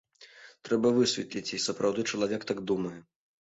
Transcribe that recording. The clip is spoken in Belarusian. Трэба высветліць, ці сапраўды чалавек так думае.